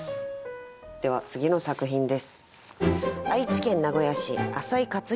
では次の作品です。